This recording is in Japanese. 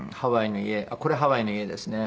これハワイの家ですね。